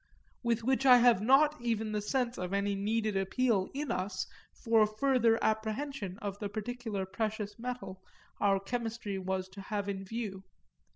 With which I have not even the sense of any needed appeal in us for further apprehension of the particular precious metal our chemistry was to have in view.